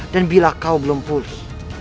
dan bila kau belum pulih